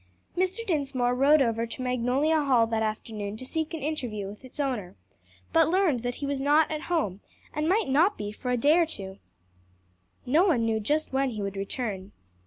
Mr. Dinsmore rode over to Magnolia Hall that afternoon to seek an interview with its owner; but learned that he was not at home, and might not be for a day or two. No one knew just when he would return.